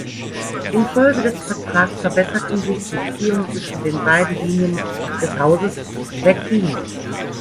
Infolge des Vertrags verbesserten sich die Beziehungen zwischen den beiden Linien des Hauses Wettin.